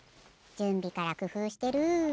じゅんびからくふうしてる。